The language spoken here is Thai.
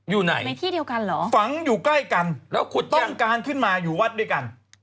อยู่ไหนฝังอยู่ใกล้กันต้องการขึ้นมาอยู่วัดด้วยกัน